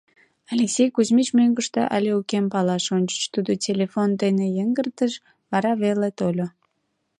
Алексей Кузьмич мӧҥгыштӧ але укем палаш ончыч тудо телефон дене йыҥгыртыш, вара веле тольо.